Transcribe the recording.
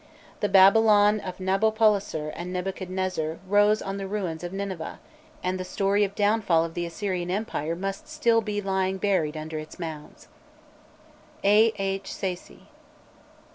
The Babylon of Nabopolassar and Nebuchadrezzar rose on the ruins of Nineveh, and the story of downfall of the Assyrian empire must still be lying buried under its mounds. A. H.